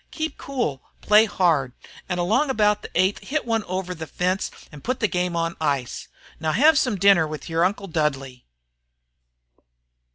Keep cool, play hard, an' along about the eighth hit one over the fence an' put the game on ice. Now, hev some dinner with yer Uncle Dudley."